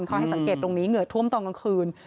เขาให้สังเกตตรงนี้เหงื่อท่วมตอนกลางคืน